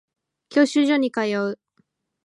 教習所に通う